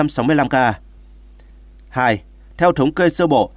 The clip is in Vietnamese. số bệnh nhân khỏi bệnh trong ngày một mươi bảy tháng chín là chín chín trăm một mươi bốn